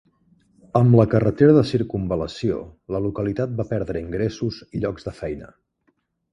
Amb la carretera de circumval·lació, la localitat va perdre ingressos i llocs de feina.